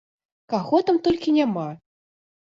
Каго там толькі няма!